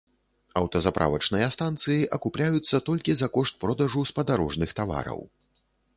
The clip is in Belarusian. Аўтазаправачныя станцыі акупляюцца толькі за кошт продажу спадарожных тавараў.